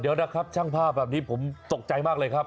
เดี๋ยวนะครับช่างภาพแบบนี้ผมตกใจมากเลยครับ